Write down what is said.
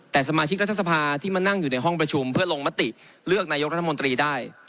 แต่สมาชิกรัฐสภาที่มานั่งอยู่ในห้องประชุมเพื่อลงมติเลือกนายกรัฐมนตรีได้